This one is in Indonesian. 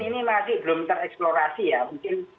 ini masih belum tereksplorasi ya mungkin